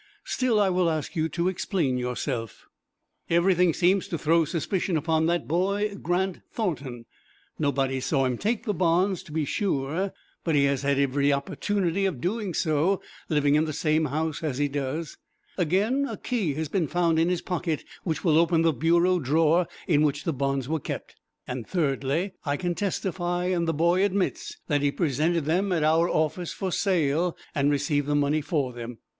Still I will ask you to explain yourself." "Everything seems to throw suspicion upon that boy, Grant Thornton. Nobody saw him take the bonds, to be sure, but he has had every opportunity of doing so, living in the same house, as he does. Again, a key has been found in his pocket, which will open the bureau drawer in which the bonds were kept; and, thirdly, I can testify, and the boy admits, that he presented them at our office for sale, and received the money for them.